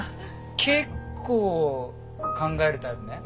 結構考えるタイプね？